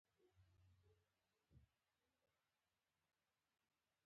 نن د امریکا د لویې وچې زیات وګړي دوه رګه دي.